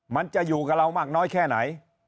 มันจะอยู่กับเรามากน้อยแค่ไหน